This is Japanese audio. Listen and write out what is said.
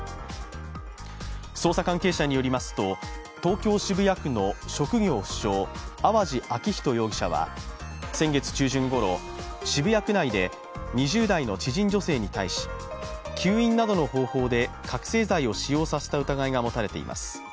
捜査関係者によりますと、東京・渋谷区の職業不詳、淡路明人容疑者は先月中旬ごろ、渋谷区内で２０代の知人女性に対し吸引などの方法で覚醒剤を使用させた疑いが持たれています。